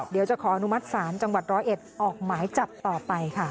เดี๋ยวจะขออนุมัติศาลจังหวัดร้อยเอ็ดออกหมายจับต่อไปค่ะ